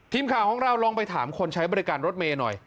ทีมข่าวของเราลองไปถามคนใช้บริการรถเมย์หน่อย